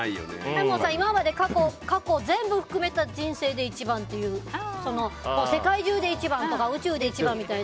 でも、今まで過去全部含めた人生で１番っていう世界中で１番とか宇宙で１番とか。